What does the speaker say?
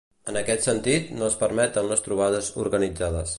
En aquest sentit, no es permeten les trobades organitzades.